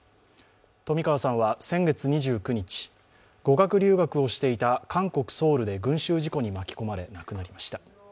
冨川さんは先月２９日、語学留学をしていた韓国ソウルで群集事故に巻き込まれ、亡くなりました。